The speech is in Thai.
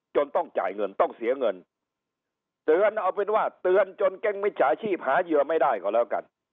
ต้องจ่ายเงินต้องเสียเงินเตือนเอาเป็นว่าเตือนจนเก้งมิจฉาชีพหาเหยื่อไม่ได้ก็แล้วกัน